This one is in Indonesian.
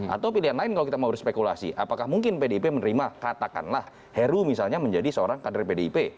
atau pilihan lain kalau kita mau berspekulasi apakah mungkin pdip menerima katakanlah heru misalnya menjadi seorang kader pdip